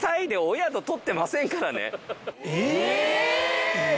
え！